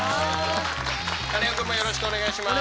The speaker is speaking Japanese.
カネオくんもよろしくお願いします。